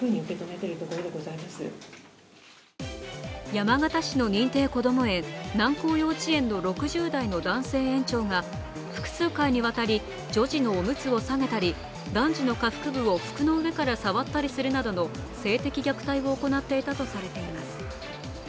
山形市の認定こども園、南光幼稚園の６０代の男性園長が複数回にわたり女児のおむつを下げたり男児の下腹部を服の上から触ったりするなどの性的虐待を行っていたとされています。